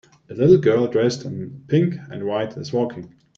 A little girl dressed in pink and white is walking.